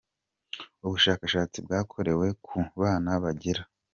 Ubushakashatsi bwakorewe ku bana bagera.